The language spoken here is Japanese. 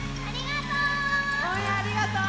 ありがとう！